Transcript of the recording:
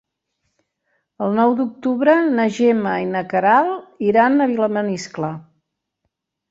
El nou d'octubre na Gemma i na Queralt iran a Vilamaniscle.